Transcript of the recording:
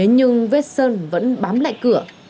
nhưng vết sơn vẫn bám lại cửa